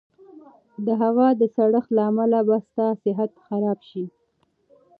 د هوا د سړښت له امله به ستا صحت خراب شي.